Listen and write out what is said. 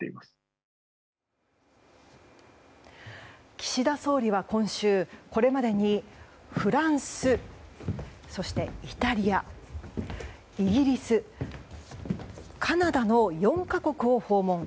岸田総理は今週これまでにフランスそしてイタリア、イギリスカナダの４か国を訪問。